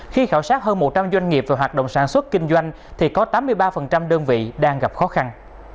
khi khảo sát hơn một trăm linh doanh nghiệp về hoạt động sản xuất kinh doanh thì có tám mươi ba đơn vị đang gặp khó khăn